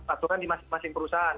aturan di masing masing perusahaan